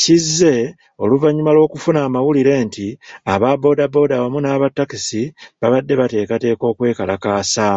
Kize oluvannyuma lw'okufuna amawulire nti aba boda boda wamu n'aba takisi babadde bateekateeka kwekalakaasa.